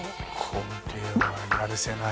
これはやるせない。